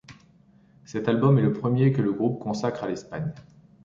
Cet album est le premier que le groupe consacre à l'Espagne.